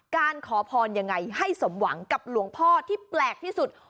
ขอพรยังไงให้สมหวังกับหลวงพ่อที่แปลกที่สุด